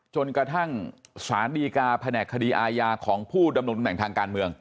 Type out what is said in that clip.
จนกระทั่งสารดีกาแผนกคดีอาญาของผู้ดำรงตำแหน่งทางการเมือง